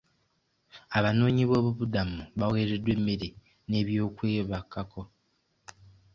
Abanoonyiboobubudamu baweereddwa emmere n'ebyokwebwako.